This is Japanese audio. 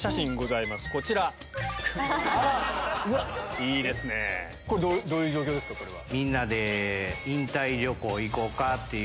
いいですねどういう状況ですか？